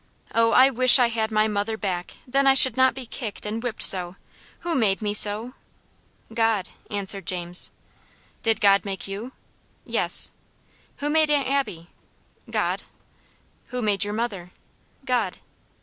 Oh, I wish I had my mother back; then I should not be kicked and whipped so. Who made me so?" "God," answered James. "Did God make you?" "Yes." "Who made Aunt Abby?" "God." "Who made your mother?" "God."